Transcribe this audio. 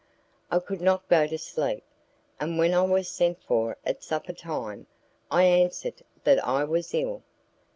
I could not go to sleep, and when I was sent for at supper time I answered that I was ill.